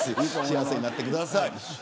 幸せになってください。